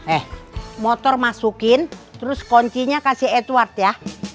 eh motor masukin terus kuncinya kasih edward ya